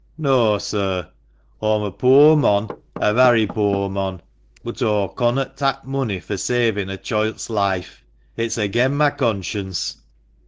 " No, sir ; aw'm a poor mon, a varry poor man, but aw connot tak' money fur savin' a choilt's life. It's agen' ma conscience.